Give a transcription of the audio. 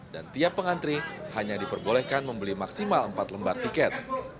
dan tiap pengantri hanya diperbolehkan membeli maksimal empat lembar tiket